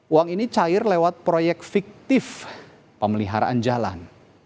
uang ini cair lewat proyek fiktif pemeliharaan jalan